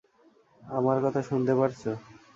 আমার কথা শুনতে পারছ?